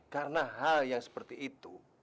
karena hal yang seperti itu